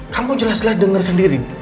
kamu jelas jelas dengar sendiri